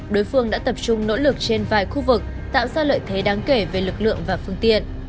đối phương đã tập trung nỗ lực trên vài khu vực tạo ra lợi thế đáng kể về lực lượng và phương tiện